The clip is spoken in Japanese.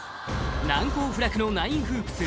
難攻不落のナインフープス